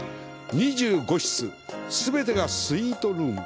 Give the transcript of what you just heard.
２５室、全てがスイートルーム。